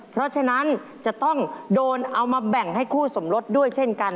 เพราะฉะนั้นจะต้องโดนเอามาแบ่งให้คู่สมรสด้วยเช่นกัน